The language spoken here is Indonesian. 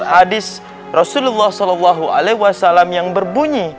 hadis rasulullah saw yang berbunyi